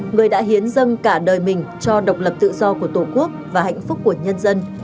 người đã hiến dâng cả đời mình cho độc lập tự do của tổ quốc và hạnh phúc của nhân dân